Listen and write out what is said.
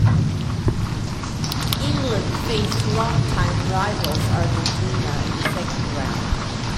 England faced long-time rivals Argentina in the second round.